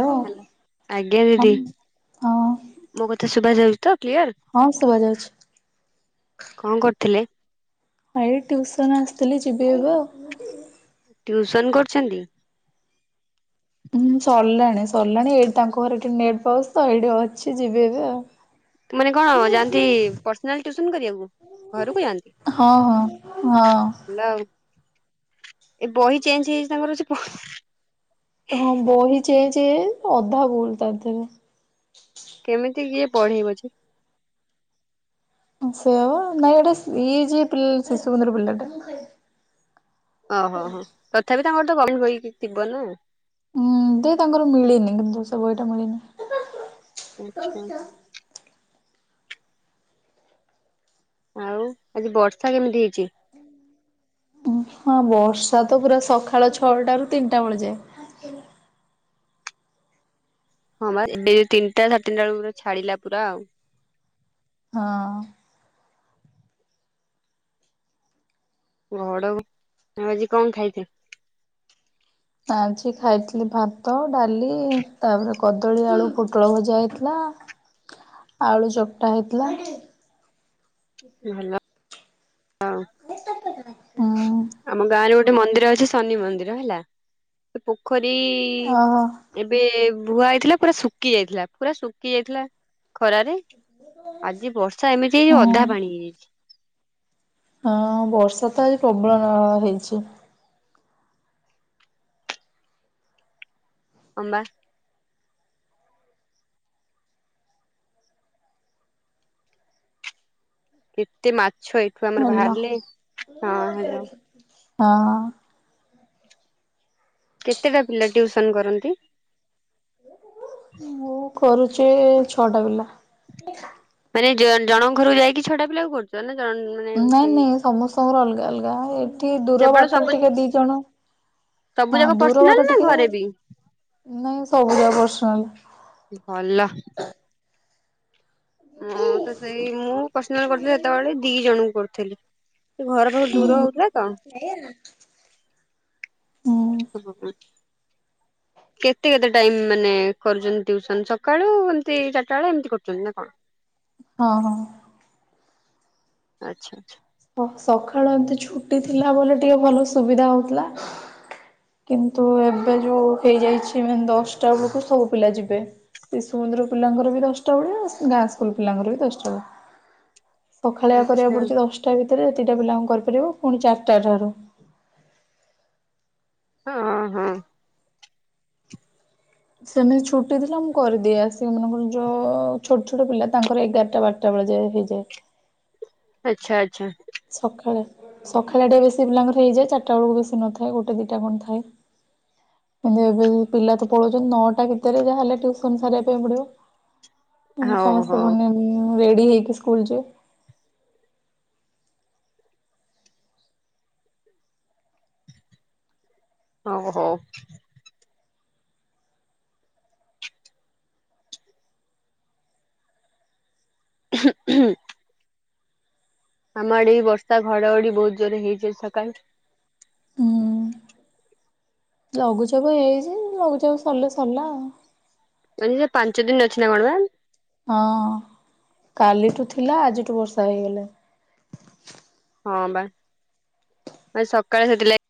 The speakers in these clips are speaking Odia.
ହଁ ହେଲ ଆଜ୍ଞା ଦିଦି। ହଁ ମୋ କଥା ଶୁଭା ଯାଉଚି ତ କ୍ଲିୟର? ହଁ ଶୁଭା ଯାଉଚି। କଣ କରୁଥିଲେ? ଭାଇ ଟ୍ୟଉସନ ଆସିଥିଲି ଯିବି ଏବେ ଆଉ। ଟ୍ୟୁସନ କରୁଚନ୍ତି? ହୁଁ ସରିଲାଣି ସରିଲାଣି। ଏଇଠି ତାଙ୍କ ଘରେ ଟିକେ ନେଟ୍ ପାଉଚି ତ ଏଇଠି ଅଛି ଯିବି ଏବେ ଆଉ। ତା ମାନେ କଣ ଯାଆନ୍ତି ପର୍ସନାସ ଟିଉସନ୍ କରିବାକୁ? ଘରକୁ ଯାଆନ୍ତି? ହଁ ହଁ ହଁ ହେଲା ଆଉ। ଏ ବହି ଚେଞ୍ଜ ହେଇଯାଇଚି ତାଙ୍କର ସେ ତ ହଁ ବହି ଚେଞ୍ଜ ହେଇ। ଅଧା ଭୁଲ ତା ଦେହରେ। କେମିତି କିଏ ପଢ଼େଇବ ଯେ। ସେୟା ପା। ନାଇ ଏଟା ଇଏ ଜି ପିଲ ଶିଶୁ ମନ୍ଦିର ପିଲାଟା। ଓହୋ ହୋ। ତଥାପି ତାଙ୍କର ତ ଗମେଟ୍ ବହି ଥିବ ନା? ହୁଁ ତ ତାଙ୍କର ମିଳିନି କିନ୍ତୁ ସେ ବହିଟା ମିଳିନି। ଆଛା ଆଉ ଆଜି ବର୍ଷା କେମିତି ହେଇଚି? ହଁ ବର୍ଷା ତ ପୁରା ସକାଳ ଛଅଟ ର ତିନିଟା ବେଳ ଯାଏ। ହଁ ବା ଏବେ ତିନିଟା ସାଢେତିନିଟା ବେଳକୁରେ ଛାଡିଲା ପା ଆଉ ହଁ। ଘଡ ଆ ଆଜି କଣ ଖାଇଛ? ଆଜି ଖାଇଥିଲି ଭାତ ଡାଲି ତାପରେ କଦଳୀ ଆଳୁ ପୋଟଳ ଭଜା ହେଇଥିଲା। ଆଳୁ ଚକଟା ହେଇଥିଲା। ଭଲ। ହଁ ହୁଁ ଆମ ଗାଁରେ ଗୋଟେ ମନ୍ଦିର ଅଛି ଶନି ମନ୍ଦିର ହେଲା। ପୋଖରୀ ଓହୋ ଏବେ ଭୂଆ ହେଇଥିଲା ପୁରା ସୁ ଶୁଖି ଯାଇଥିଲା ପୁରା ଶୁଖି ଯାଇଥିଲା ଖରାରେ ଆଜି ବର୍ଷା ଏମିତି ହେଇଛି ହୁଁ। ଅଧା ପାଣି ହେଇଯାଇଛି। ହଁ ବର୍ଷା ତ ଆଜି ପ୍ରବଳ ନ ହେଇଛି। ହଁବା। କେତେ ମାଛ ଏଇଠୁ ଆମର ହେଲା ବାହାରିଲେ ହଁ ହାଲୋ। ହଁ। କେତେଟା ପିଲା ଟ୍ୟୁଉସନ କରନ୍ତି? ମୁଁ କରୁଛି ଛଅଟା ପିଲା। ମାନେ ଜଣଙ୍କ ଘରକୁ ଯାଇକି ଛଟା ପିଲାକୁ କରୁଛ ନା ଜ ନାଇଁ ନାଇଁ ସମସ୍ତଙ୍କର ଅଲଗା ଅଲଗା ଏଠି ଦୂର କେବଳ ବାଟରେ ସବୁ ଟିକେ ଦି ଜଣ ସବୁ ହଁ ଯାକ ଦୂର ପର୍ସନାଲ ବାଟ ନା ଟିକେ ଘରେ ବି? ନାଇଁ ସବୁ ଯାକ ପର୍ସନାଲ ଭଲ। ମୁଁ ତ ସେଇ ମୁଁ ପର୍ସନାଲ କରୁଥିଲି ସେତେବେଳେ ଦି ଜଣଙ୍କୁ କରୁଥିଲି। ଘର ପାଖରୁ ଦୂର ହଉଥିଲା ତ [inaudible] ହୁଁ। ହଁ। ହଁ କେତେ କେତେ ଟାଇମ ମାନେ କରୁଛନ୍ତି ଟ୍ୟୁଉସନ ସକାଳୁ ଏମିତି ଚାରିଟା ବେଳ ଏମିତି କରୁଛନ୍ତି ନା କଣ? ହଁ ହଁ। ଆଚ୍ଛା ଆଛା। ସଖାଳୁ ଏମତି ଛୁଟି ଥିଲା ବୋଲି ଟିକେ ଭଲ ସୁବିଧା ହଉଥିଲା। କିନ୍ତୁ ଏବେ ଯୋଉ ହେଇଯାଇଛି ଦଶଟା ବେଳକୁ ସବୁ ପିଲା ଯିବେ। ଶିଶୁମନ୍ଦିର ପିଲାଙ୍କର ବି ଦଶଟା ବଳିଆ ଆ ଗାଁ ସ୍କୁଲ ପିଲାଙ୍କର ବି ଦଶଟା ବଳିଆ। ସଖାଳିଆ କରିବାକୁ ଆଚ୍ଛା ଆଚ୍ଛା ପଡୁଛି ଦଶଟା ଭିତରେ ଯେତିକିଟା ପିଲାଙ୍କୁ କରିପାରିବ ପୁଣି ଚାରିଟା ଠାରୁ ହଁ ହଁ। ସେମିତି ଛୁଟି ଥିଲା ମୁଁ କରିଦିଏ ଆସିବି ମାନଙ୍କର ଯୋଉ ଛୋଟ ଛୋଟ ପିଲା ତାଙ୍କର ଏଗାରଟା ବାର୍ ଟା ବେଳଯାଏ ହେଇଯାଏ। ଆଚ୍ଛା ଆଚ୍ଛା। ସକାଳେ ସକାଳେ ଟିକେ ବେଶୀ ପିଲାଙ୍କର ହେଇଯାଏ ଚାରଟା ବଳକୁ ବେଶୀ ନଥାଏ ଗୋଟେ ଦିଟା କଣ ଥାଏ? କିନ୍ତୁ ଏବେ ପିଲା ତ ପଳଉଛନ୍ତି ନଅଟା ଭିତରେ ଯାହାହେଲେ ଟ୍ୟୁସନ ସାରିବା ପାଇଁ ପଡିବ। ହଉ ସମସ୍ତେ ହଉ ପୁଣି ରେଡି ହେଇକି ସ୍କୁଲ ଯିବେ? ଆଉ ଥରେ। ହଁ ହୁଁ। ଆମର ଆଡେ ବର୍ଷା ଘଡଘଡି ବହୁତ ଜୋରେ ହେଇଛି ସକାଳେ। ହୁଁ ଲଘୁଚାପ ହେଇଛି ଲଘୁଚାପ ସରିଲେ ସରିଲା। [inaudible] ପାଞ୍ଚ ଦିନ ଅଛି ନା କଣ ବା? ହଁ କାଲିଠୁ ଥିଲା ଆଜିଠୁ ବର୍ଷା ହେଇଗଲା। ହଁ ବା ଆଜି ସକାଳେ ସେଥିଲାଗ୍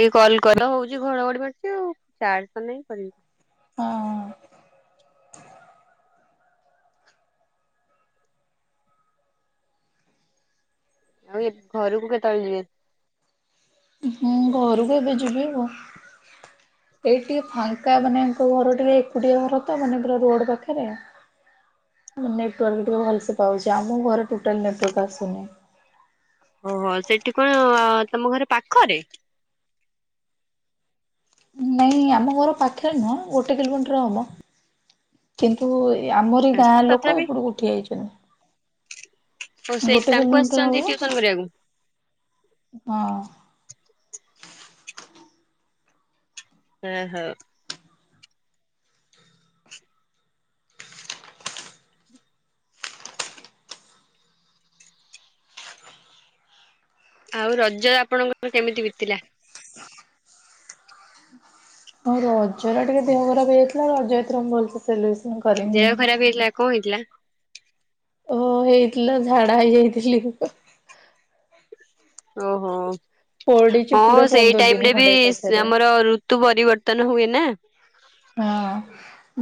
ଏଇ କଲ କରାହଉଛି ଘଡଘଡି ମାରୁଛି ଆଉ ଚାର୍ଜତ୍ ନାହିଁ କରିବି ହଁ। ଆଉ ଏ ଘରକୁ କେତେବେଳେ ଯିବେ? ମୁଁ ଘରକୁ ଏବେ ଯିବି ଆଉ ଏଇଠି ଟିକେ ଫାଙ୍କା ମାନେ ଆଙ୍କ ଘର ଟିକେ ଏକୁଟିଆ ଘର ତ ମାନେ ପୁରା ରୋଡ ପାଖରେ। ହୁଁ ନେଟୱାର୍କ ଟିକେ ଭଲସେ ପାଉଛି ଆମ ଘରେ ଟୋଟାଲ ନେଟୱାର୍କ ଆସୁନି। ଓହୋ ସେଠି କଣ ତମ ଘର ପାଖରେ। ନାଇଁ ଆମ ଘର ପାଖରେ ନୁହଁ ଗୋଟେ କିଲୋମିଟର ହବ। କିନ୍ତୁ ଏ ଆମରି ଗାଁ ଲୋକ ତଥାପି ଏପଟ କୁ ଉଠି ଆଇଛନ୍ତି। ଓ ସେଇଠି ତାଙ୍କୁ କିଲୋମିଟର ହବ ଆସିଛନ୍ତି ଟିଉସନ କରିଆକୁ। ହଁ। ଏ ହୋ। ଆଉ ରଜ ଆପଣଙ୍କ ର କେମିତି ବିତିଲା। ହଁ ରଜ ରା ଟିକେ ଦେହ ଖରାପ ହେଇ ଯାଇଥିଲା ରଜ ଏଥିରେ ମୁଁ ଭଲ ସେ ସେଲିବ୍ରେସନ କ ଦେହ ଖରାପ ହେଇଥିଲା କଣ ହେଇଥିଲା। ଓ ହେଇଥିଲା ଝାଡା ହେଇ ଯାଇଥିଲି। ଓହୋ। ପଡିଛି ପୁରା ହଁ ସେଇ ପନ୍ଦର ଟାଇମ ଦିନ ରେ ବି ଖଣ୍ଡେ ସ୍ ଏକାଥରେ। ଆମର ଋତୁ ପରିବର୍ତ୍ତନ ହୁଏ ନା। ହଁ।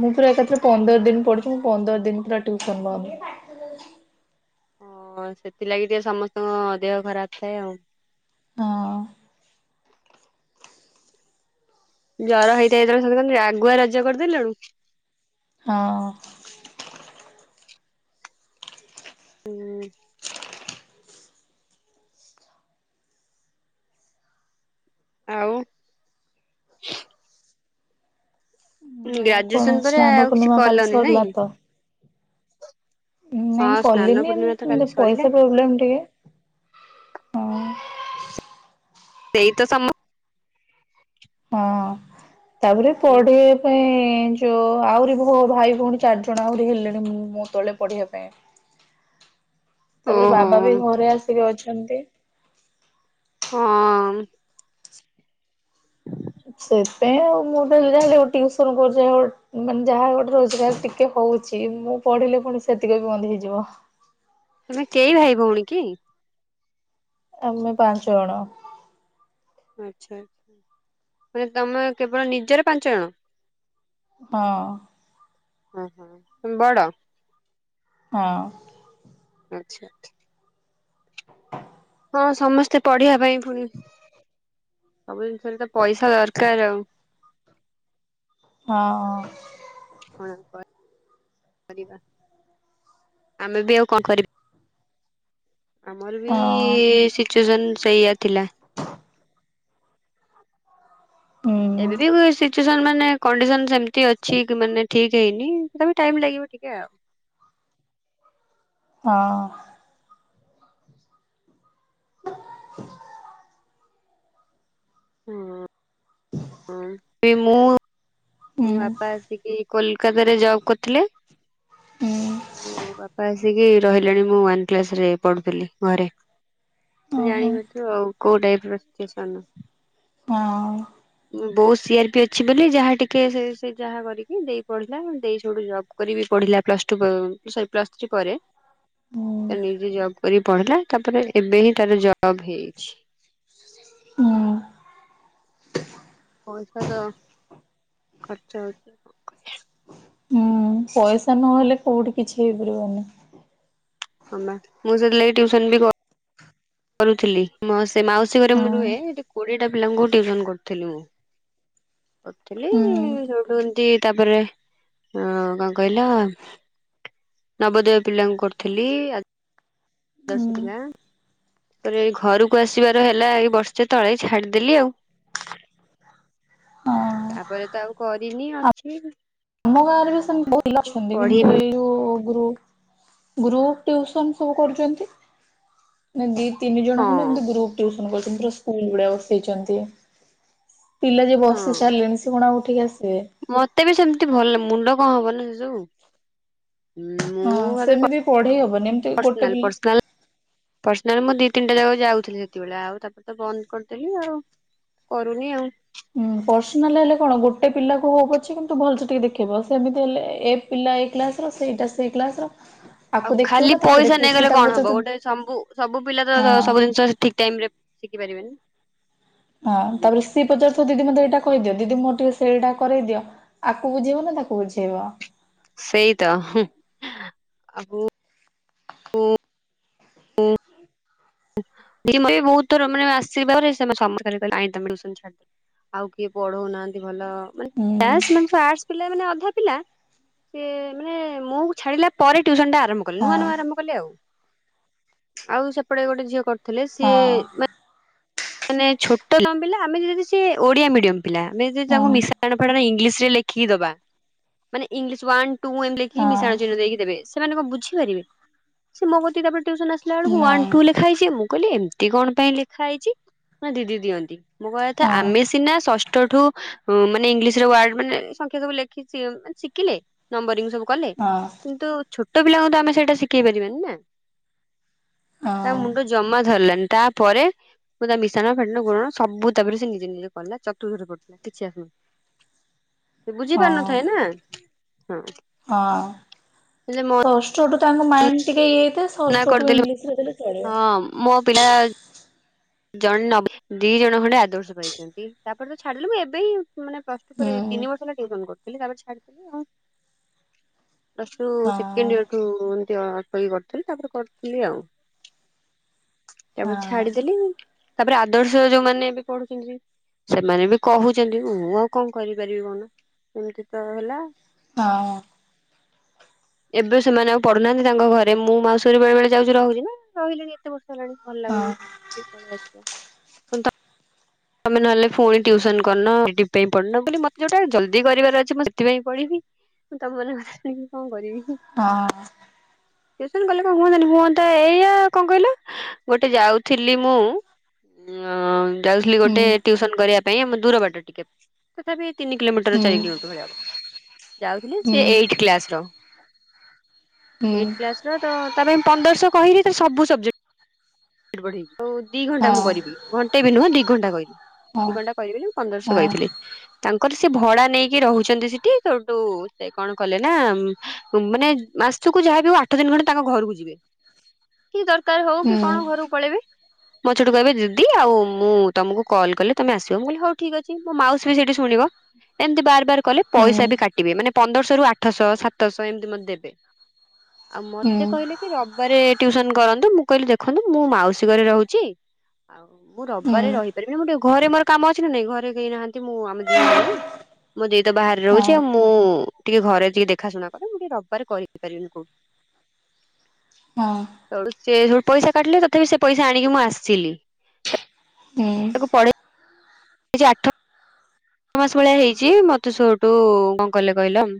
ମୁଁ ପୁରା ଏକାଥରେ ପନ୍ଦର ଦିନ ପଡ଼ିଛି ମୁଁ ପନ୍ଦର ଦିନ ପୁରା ଟିଉସନ ବନ୍ଦ। ହଁ ସେଥିଲାଗି ଟିକେ ସମସ୍ତଙ୍କ ଦେହ ଖରାପ ଥାଏ ଆଉ। ହଁ। ଜର ହେଇଥାଏ ଯେତେବେଳେ ସମତେ କୁହନ୍ତିନି ଆଗୁଆ ରଜ କରି ଦେଲୁଣୁ। ହଁ। ହୁଁ। ଆଉ। ଆଉ କଣ ଗ୍ରାଜୁଏସନ ପରେ ସ୍ନାନ ଆଉ କିଛି ପୂର୍ଣ୍ଣିମା କାଲି କଲନି ନାଇଁ ସରିଲା ତ। ନାଇଁ ହଁ ସ୍ନାନ କଲିନି ଏମ୍ ପୂର୍ଣ୍ଣିମା ତ କାଲି ସରିଲା ପଇସା ପ୍ରୋବ୍ଲେମ୍ ଟିକେ। ହଁ। ସେଇ ତ ସମ। ହଁ ତାପରେ ପଢିବା ପାଇଁ। ସେ ଓ ଆହୁରି ମୋ ଭାଇ ଭଉଣୀ ଚାରିଜଣ ଆହୁରି ହେଲେଣିଁ ମୋ ତଳେ ପଢିବା ପାଇଁ। ତାପରେ ଓହୋ ବାବା ବି ଘରେ ଆସିକି ଅଛନ୍ତି। ହଁ। ସେଇଥି ପାଇଁ ଆଉ ମୁଁ ତ ହେଲେ ଯାହା ହେଲେ ଗୋଟେ ଟିଉସୁନ କରୁଛି ଯା। ମାନେ ଯାହା ଗୋଟେ ରୋଜଗାର ଟିକେ ହଉଛି ମୁଁ ପଢିଲେ ପୁଣି ସେତିକି ବି ବନ୍ଦ ହେଇଯିବ। ତମେ କେଇ ଭାଇ ଭଉଣୀ କି। ଆମେ ପାଞ୍ଚ ଜଣ। ଆଚ୍ଛା ମାନେ ତମେ କେବଳ ନିଜର ପାଞ୍ଚ ଜଣ। ହଁ। ଅ ହଁ ‌ତମେ ବଡ। ହଁ। ଆଚ୍ଛା। ହଁ ସମସ୍ତେ ପଢିବା ପାଇଁ ପୁଣି ସବୁ ଜିନିଷରେ ତ ପଇସା ଦରକାର ଆଉ। ହଁ। କଣ ଆଉ କରିବା ଆମେ ବି ଆଉ କଣ କରିବା। ଆମର ବି ହଁ ସିଚୁଏସନ ସେଇଆ ଥିଲା। ହୁଁ ଏବେ ବି ବି ସିଚୁଏସନ ମାନେ କଣ୍ଡିସନ ସେମତି ଅଛି କି ମାନେ ଠିକ ହେଇନି। ତଥାପି ଟାଇମ୍ ଲାଗିବ ଟିକେ ଆଉ। ହଁ। [unintelligible] ହୁଁ। ହୁଁ ସେଇ ମୁଁ। ମୋ ହୁଁ ବାପା ଆସିକି କୋଲକାତାରେ ଜବ କରିଥିଲେ। ହୁଁ ମୋ ବାପା ଆସିକି ରହିଲେଣି ମୁଁ ୱାନ୍ କ୍ଲାସ୍ ରେ ପଢୁଥିଲି ଘରେ। ଓହୋ। ଜାଣିପାରୁଥିବେ ଆଉ କୋଉ ଟାଇପର ସିଚୁଏସନ। ହଁ। ବୋଉ ସି ଆର ପି ଅଛି ବୋଲି ଯାହା ଟିକ କିଏ ସେ ସେ ଯାହା କରିକି ଦେଇ ପଢ଼ିଲା ଦେଇ ସେଇଠୁ ଜବ୍ କରିକି ବି ପଢ଼ିଲା ପ୍ଲସ୍ ଟୁ ପ ସରି ପ୍ଲସ୍ ଥ୍ରୀ ପରେ [inaudible] ତାର ନିଜେ ଜବ କରିକ ପଢିଲା ତାପରେ ଏବେ ହିଁ ତାର ଜବ ହେଇଚି। ହୁଁ। ପଇସା ତ ଖର୍ଚ୍ଚ ହଉଚି ଆଉ କଣ। ହୁଁ ପଇସା ନହେଲେ କୋଉଠି କିଛି ହେଇପାରିବନି। ହଁ ବା ମୁଁ ସେଥିଲାଗି ଟିଉସନ ବି କ କରୁଥିଲି ମ ସେ ମାଉସୀ ଘରେ ହଁ ମୁଁ ରୁହେ ସେଠି କୋଡିଏଟା ପିଲାଙ୍କୁୁ ଟିଉସନ କରୁଥିଲି ମୁଁ। କରୁଥିଲି ଉଁ ହୁଁ ସେଉଠୁ ଏମତି ତାପରେ ଅ କଣ କହିଲ ନବୋଦୟ ପିଲାଙ୍କୁ କରୁଥିଲି ଆଦର୍ଶ ହୁଁ ପିଲା ତାପରେ ଏଇ ଘରକୁ ଆସିବାର ହେଲା ଏ ବର୍ଷେ ତଳେ ଛାଡିଦେଲି ଆଉ। ହଁ ତାପରେ ତ ଆଉ କରିନି ଅଛି। ଆମ ଗାଁରେ ବି ସେମିତି ବହୁତ ପିଲା ଅଛନ୍ତି କିନ୍ତୁ ପଢିବି ଏଇ ଯୋଉ ଗ୍ରୁ ଗ୍ରୁପ ଟିଉସନ ସବୁ କରୁଛନ୍ତି ଏନେ ଦି ତିନି ଜଣ ହଁ ଖଣ୍ଡେ ଏମତି ଗ୍ରୁପ ଟିଉସନ କରୁଛନ୍ତି ପୁରା ସ୍କୁଲ ଭଳିଆ ବସେଇଛନ୍ତି। ପିଲା ଯିଏ ହଁ। ବସି ସାରିଲେଣି ସେ କଣ ଆଉ ଉଠିକି ଆସିବେ? ମତେ ବି ସେମିତି ଭଲ ମୁଣ୍ଡ କଣ ହବ ନା ସେ ସବୁ। ମୁଁ ହଁ ଏବେ ପ ସେମିତି ପଢେଇ ହବନି ଏମିତି ଗୋଟେ ପର୍ସନାଲ ପିଲା ପର୍ସନାଲ ପର୍ସନାଲ ମୁଁ ଦିଇ ତିନିଟା ଜାଗା କୁ ଯାଉଥିଲି ସେତିକିବେଳେ ଆଉ ତାପରେ ତ ବନ୍ଦ କରିଦେଲି ଆଉ। କରୁନି ଆଉ। ହୁଁ ପର୍ସନାଲ ହେଲେ କଣ ଗୋଟେ ପିଲାକୁ ହଉ ପଛେ କିନ୍ତୁ ଭଲସେ ଟିକେ ଦେଖି ହେବ ସେମିତି ହେଲେ ଏ ପିଲା ଏଇ କ୍ଲାସ ର ସେଇଟା ସେଇ କ୍ଲାସ ର ଆଉ ଆକୁ ଦେଖିବ ଖାଲି ନା ତାକୁ ପଇସା ଦେଖିବ ସିଏ ନେଇଗଲେ ତାକୁ କଣ ହବ ପଚାରୁଥିବ ଗୋଟେ ସମ୍ବୁ ସବୁ ପିଲା ତ ହଁ। ସବୁ ଜିନିଷ ଠିକ ଟାଇମରେ ଶିଖି ପାରିବେନି? ହଁ ତାପରେ ସିପ ପଚାରୁଥିବ ଦିଦି ମତେ ଏଇଟା କହିଦିଅ ଦିଦି ମୋର ଟିକେ ସେଇଟା କରେଇଦିଅ ଆକୁ ବୁଝେଇବ ନା ତାକୁ ବୁଝେଇବ। ସେଇତ ହୁଁ ଆଉ ଉଁ ଉଁ ଯେତେ ବହୁତ ଥର ମାନେ ଆସ [unintelligible] ଆଉ କିଏ ପଢଉନାହାନ୍ତି ଭଲ ମାନେ ହୁଁ ଆସ [unintelligible] ଆର୍ଟ୍ସ ପିଲା ମାନେ ଅଧା ପିଲା ସିଏ ମାନେ ମୁଁ ଛାଡିଲା ପରେ ଟ୍ୟୁସନ ଟା ଆରମ୍ଭ କଲି ହଁ ନୂଆ ନୂଆ ଆରମ୍ଭ କଲି ଆଉ ଆଉ ସେପଟେ ଗୋଟେ ଝିଅ କରିୁଥିଲେ ସିଏ ହଁ। ମା ମାନେ ଛୋଟ ନ ପିଲା ଆମେ ଯଦି ସିଏ ଓଡ଼ିଆ ମିଡିୟମ ପିଲା ଆମେ ଯଦି ହଁ ତାଙ୍କୁ ମିଶାଣ ଫେଡାଣ ଇଂଲିସ୍ ରେ ଲେଖିକି ଦବା ମାନେ ଇଂଲିସ୍ ୱାନ ଟୁ ଏମିତି ଲେଖ୍ କି ମିଶାଣ ଚିହ୍ନ ହଁ ଦେଇକି ଦେବେ ସେମାନେ କଣ ବୁଝି ପାରିବେ ସେ ମୋ କତିକି ତାପରେ ଟୁସନ ଆସିଲା ବେଲକୁ ୱାନ ନାଇଁ ଟୁ ଲେ ଲେଖା ହେଇଛି ମୁଁ କହିଲି ଏମିତି କଣ ପାଇଁ ଲେଖା ହେଇଛି ନା ଦିଦି ଦିଅନ୍ତି। ମୁଁ କହିବା କଥା ହଁ ଆମେ ସିନା ଷଷ୍ଠ ଷ୍ଠ ଠୁ ଉଁ ମାନେ ଇଂଲିଶରେ ୱାର୍ଡ଼ ମାନେ ସଂଖ୍ୟା ସବୁ ଲେଖିଚି ମାନେ ଶିଖିଲେ ନମ୍ବରିଙ୍ଗ ସବୁ କଲେ ହଁ କିନ୍ତୁ ଛୋଟ ପିଲାଙ୍କୁ ତ ଆମେ ସେଇଟା ଶିଖେଇ ପାରିବାନି ନା! ତା ହଁ। ମୁଣ୍ଡ ଜମା ଧରିଲାନି ତାପରେ ମୁଁ ତା ମିଶାଣ, ଫେଡାଣ, ଗୁଣନ ସବୁ ତାପରେ ସିଏ ନିଜେ ନିଜେ କଲା ଚତୁର୍ଥରେ ପଢ଼ୁଥିଲା କିଛି ଆସୁନ [inaudible] ସେ ବୁଝି ପାରୁନଥାଏ ନା ହଁ। ହଁ ହେଲେ ପଷ୍ଟଠୁ ତାଙ୍କ ମାଇଣ୍ଡ ଟିକେ ଇଏ ହେଇଥାଏ ମନା ଷଷ୍ଠଠୁ କରିଦେଲି ଇଂଲିଶରେ ଦେଲେ ଚଳିବ। ହଁ ମୋ ପିଲା ଜଣେ ନବ ଦି ଜଣ ଖଣ୍ଡେ ଆଦର୍ଶ ପାଇଛନ୍ତି ତାପରେ ତ ଛାଡ଼ିଲୁ ଏବେ ମାନେ ପ୍ରସ୍ ତାପରେ ହୁଁ। ତିନି ବର୍ଷ ହେଲା ଟିଉସନ୍ କରିଥିଲି ତାପରେ ଛାଡ଼ିଦେଲି ଆଉ। ପ୍ଲସ ଟୁ ସେକେଣ୍ଡ ୟିଅର୍ ଠୁ ଏମତି ଅଳ୍ପ କି କରୁଥିଲି ତାପରେ କରୁଥିଲି ଆଉ। ତାପରେ ଛାଡ଼ିଦେଲି ତାପରେ ଆଦର୍ଶ ଯୋଉମାନେ ଏବେ ପଢ଼ୁଛନ୍ତି ସେମାନେ ବି କହୁଛନ୍ତି ମୁଁ ଆଉ କଣ କରିପାରିବି କହୁନ ଏମିତି ତ ହେଲା। ହଁ। ଏବେ ସେମାନେ ଆଉ ପଢ଼ୁ ନାହାନ୍ତି ତାଙ୍କ ଘରେ ମୁଁ ମାଉସୀ ଘରେ ବେଳେବେଳେ ଯାଉଛି ରହୁଛି ନା ରହିଲିଣି ଏତେ ବର୍ଷ ହେଲାଣି। ଭଲ ଲାଗୁନି କି ପଳେଇଆସିବ। ତମେ ନହେଲେ ଫୁଣି ଟ୍ୟୁସନ କରୁନ ସେଥିଇ ପାଇଁ ପଳେଇଲ ବୋଲି ମତେ ଯୋଉଟା ଜଲ୍ଦି କରିବାର ଅଛି ମୁଁ ସେଥିପାଇଁ ପଢ଼ିବି। ମୁଁ ତମ ମାନଙ୍କ କଥା ଶୁଣିକି କଣ କରିବି। ହଁ। ଟିୟୁସନ କଲେ କଣ ହୁନ୍ତାନି ହୁଅନ୍ତା ଏଇଆ କଣ କହିଲ? ଗୋଟେ ଯାଉଥିଲି ମୁଁ [inaudible] ଟେ ଟ୍ୟୁସନ କରିବା ପାଇଁ ଆମ ଦୂର ବାଟ ଟିକେ। ତଥାପି ତିନି କିଲୋମିଟର ଚାରି କିଲୋମିଟର ଭଳିଆ ହବ ଯାଉଥିଲି ସିଏ ଏଇଟ୍ କ୍ଲାସ ର। ଏଇଟ୍ କ୍ଲାସ୍ ର ତ ତା ପାଇଁ ପନ୍ଦରଶହ କହିଲି [unintelligible] ସବୁ ସବଜେକ୍ଟ [unintelligible] ଆଉ ଦି ଘଣ୍ଟା ମୁଁ କରିବି ଘଣ୍ଟେ ବି ନୁହଁ ଦି ଘଣ୍ଟା କରିବି ଦି ଘଣ୍ଟା କରିବି ବୋଲି ମୁଁ ପନ୍ଦରଶହ କହିଥିଲି। ତାଙ୍କର ସେ ଭଡ଼ା ନେଇକି ରହୁଛନ୍ତି ସେଠି ସେଉଠୁ ସେ କଣ କଲେ ନା ଉଁ ଓ ମାନେ ଜ୍ ମାସକୁ ଯାହାବି ହଉ ଆଠ ଦିନ୍ ଖଣ୍ଡେ ତାଙ୍କ ଘରକୁ ଯିବେ। [inaudible] କି ଦରକାର ହଉ କି କଣ ଘରକୁ ପଳେଇବେ। ମୋ ସେଇଠୁ କହିବେ ଦିଦି ଆଉ ମୁଁ ତମକୁ କଲ୍ କଲେ ତମେ ଆସିବ ମୁଁ କହିଲି ହଉ ଠିକ ଅଛି ମୋ ମାଉସି ବି ସେଇଠି ଶୁଣିବ। ଏମିତି ବାର ବାର କଲେ ପଇସା ବି କାଟିବେ ମାନେ ପନ୍ଦରଶହ ରୁ ଆଠଶହ ସାତଶହ ଏମିତି ମତେ ଦେବେ। ଆଉ ମତେ କହିଲେ କି ରବିବାରେ ଟିଉସନ କରନ୍ତୁ ମୁଁ କହିଲି ଦେଖନ୍ତୁ ମୁଁ ମାଉସୀ ଘରେ ରହୁଛି ଆଉ ମୁଁ ରବିବାରେ ରହିପାରିବି ମୁଁ ଟିକେ ଘରେ ମୋର କାମ ଅଛି ନା ନାଇଁ ଘରେ କେହି ନାହାନ୍ତି ମୁଁ ଆମେ ଦି ଭଉଣୀ। ମୋ ଦେଇତ ବାହାରେ ରହୁଛି ଆଉ ମୁଁ ଟିକେ ଘରେ ଟିକେ ଦେଖାଶୁଣା କରିବି ମୁଁ ଟିକେ ରବିବାରେ କରି ପାରିବିନି କୋଉଠି। ହଁ। ତ ସେଠୁ ସେ ଯୋଉ ପଇସା କାଟିଲେ ତଥାପି ସେ ପଇସା ଆଣିକି ମୁଁ ଆସିଲି। ତାକୁ ପଢ଼େ [inaudible] ସେ ଆଠ ଠ ମାସ ଭଳିଆ ହେଇଛି ମତେ ସେଠୁ କଣ କଲେ କହିଲ ହୁଁ।